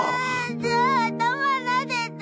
じゃあ頭なでて。